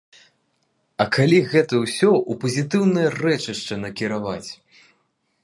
А калі гэта ўсё ў пазітыўнае рэчышча накіраваць?